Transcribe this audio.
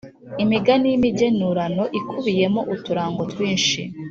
Imigani y’imigenurano ikubiyemo uturango twinshi